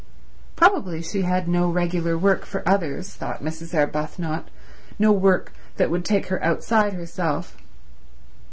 Probably she had no regular work for others, thought Mrs. Arbuthnot; no work that would take her outside herself.